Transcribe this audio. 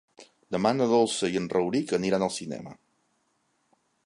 Demà na Dolça i en Rauric aniran al cinema.